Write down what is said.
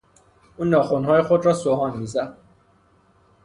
او ناخنهای خود را سوهان میزد.